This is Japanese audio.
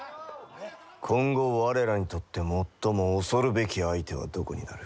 今後我らにとって最も恐るべき相手はどこになる？